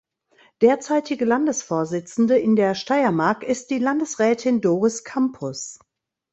Derzeitige Landesvorsitzende in der Steiermark ist die Landesrätin Doris Kampus.